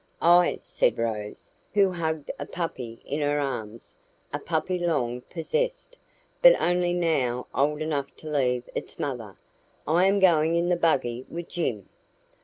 "I," said Rose, who hugged a puppy in her arms a puppy long possessed, but only now old enough to leave its mother "I am going in the buggy with Jim."